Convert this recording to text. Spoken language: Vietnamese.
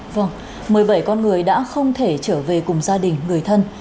vâng một mươi bảy con người đã không thể trở về cùng gia đình người thân